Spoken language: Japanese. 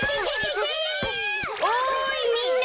おいみんな。